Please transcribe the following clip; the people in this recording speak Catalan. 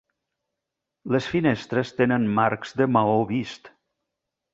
Les finestres tenen marcs de maó vist.